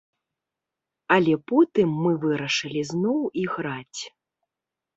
Але потым мы вырашылі зноў іграць.